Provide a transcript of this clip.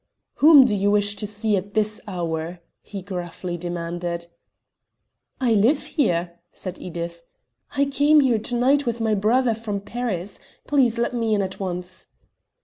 "Whom do you wish to see at this hour?" he gruffly demanded. "I live here," said Edith. "I came here to night with my brother from Paris. Please let me in at once."